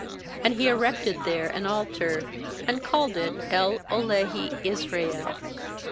,20And he erected there an altar, and called it °El elohe Israel.